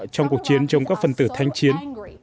trong cuộc chiến chống các phần tử thanh chiến